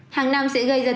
hàng năm sẽ gây ra tiến sĩ